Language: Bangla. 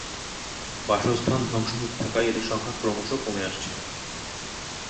বাসস্থান ধ্বংস হতে থাকায় এদের সংখ্যা ক্রমশ কমে আসছে।